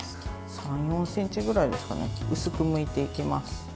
３４ｃｍぐらいですかね薄くむいていきます。